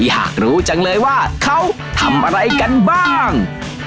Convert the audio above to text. อยากรู้จังเลยว่าเขาทำอะไรกันบ้าง